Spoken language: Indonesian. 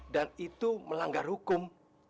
dan itu melanggar hukum